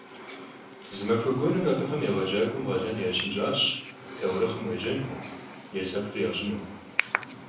Zı maxue guerım abıxem yêğecak'uem khalen yaşiş'aş taurıxhım khêcenxeu, yêsepır yaş'ınu.